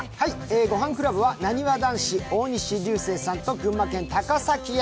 ごはんクラブはなにわ男子、大西流星さんと群馬県・高崎へ。